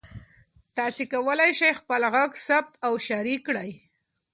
تاسي کولای شئ خپل غږ ثبت او شریک کړئ.